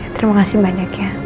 terima kasih banyak ya